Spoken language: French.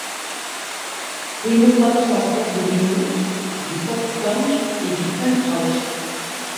L'emo pop s'inspire de l'emo, du pop punk et du punk rock.